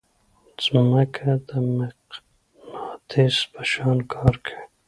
ځمکه د مقناطیس په شان کار کوي.